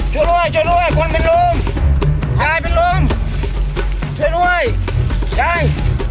ช่วยด้วยช่วยด้วยคนเป็นลมหายเป็นลมช่วยด้วยยาย